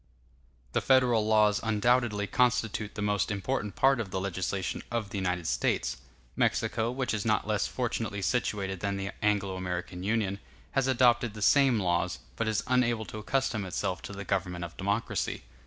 The Federal laws undoubtedly constitute the most important part of the legislation of the United States. Mexico, which is not less fortunately situated than the Anglo American Union, has adopted the same laws, but is unable to accustom itself to the government of democracy.